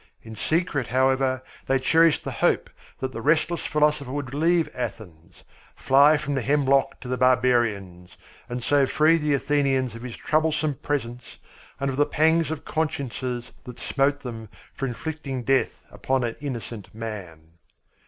In secret, however, they cherished the hope that the restless philosopher would leave Athens, fly from the hemlock to the barbarians, and so free the Athenians of his troublesome presence and of the pangs of consciences that smote them for inflicting death upon an innocent man.